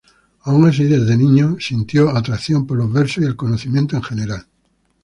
Aun así, desde niño, sintió atracción por los versos y el conocimiento en general.